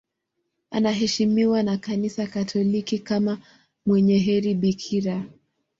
Anaheshimiwa na Kanisa Katoliki kama mwenye heri bikira.